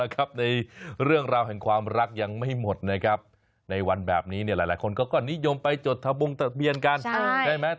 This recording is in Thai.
ในเรื่องราวแห่งความรักยังไม่หมดนะครับในวันแบบนี้หลายคนก็นิยมไปจดทะบงตะเบียนกันใช่ไหม